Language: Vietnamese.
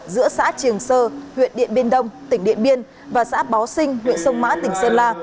giữa xã triềng sơ huyện điện biên đông tỉnh điện biên và xã báo sinh huyện sông mã tỉnh sơn la